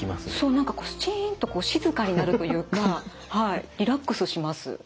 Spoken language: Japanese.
何かこうシンと静かになるというかリラックスします。